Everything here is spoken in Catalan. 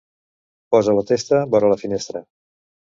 Posa la testa vora la finestra.